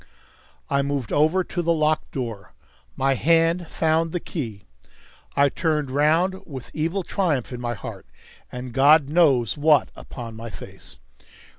I moved over to the locked door. My hand found the key. I turned round with evil triumph in my heart, and God knows what upon my face.